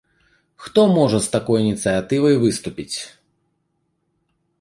Хто можа з такой ініцыятывай выступіць?